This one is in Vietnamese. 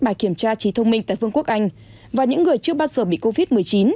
bài kiểm tra trí thông minh tại vương quốc anh và những người chưa bao giờ bị covid một mươi chín